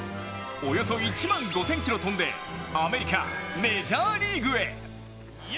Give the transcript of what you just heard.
およそ１万５０００ｋｍ飛んでアメリカ・メジャーリーグへ。